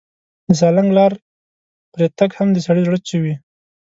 د سالنګ لار پرې تګ هم د سړي زړه چوي.